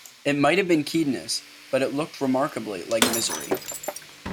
It might have been keenness, but it looked remarkably like misery.